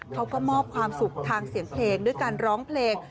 เขาก็มอบความสุขทางเสียงเพลงด้วยการร้องเพลง